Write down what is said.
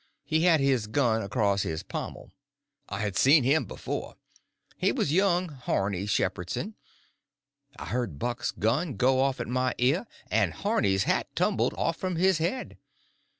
He had his gun across his pommel. I had seen him before. It was young Harney Shepherdson. I heard Buck's gun go off at my ear, and Harney's hat tumbled off from his head.